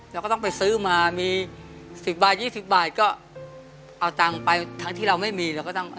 เราก็ต้องไปซื้อมามี๑๐บาท๒๐บาทก็เอาตังไปทั้งที่เราไม่มี